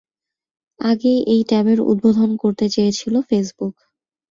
আগেই এই ট্যাবের উদ্বোধন করতে চেয়েছিল ফেসবুক।